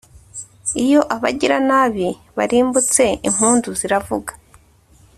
iyo abagiranabi barimbutse, impundu ziravuga